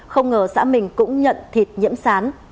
không ngờ xã mình cũng nhận thịt nhiễm sán